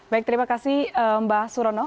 baik terima kasih mbak surono